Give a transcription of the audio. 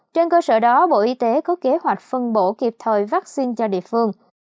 trên cơ sở đó bộ y tế có kế hoạch phân bổ kịp thời vaccine cho địa phương